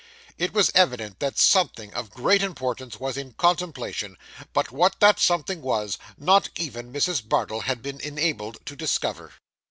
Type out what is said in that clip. It was evident that something of great importance was in contemplation, but what that something was, not even Mrs. Bardell had been enabled to discover.